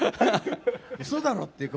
うそだろ！っていう。